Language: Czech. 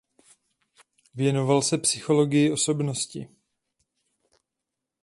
Věnoval se psychologii osobnosti.